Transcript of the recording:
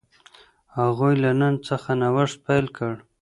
هغوی له نن څخه نوښت پیل کړ.